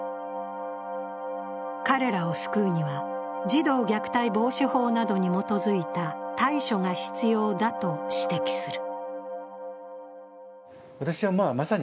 彼らを救うには、児童虐待防止法などに基づいた対処が必要だと指摘する。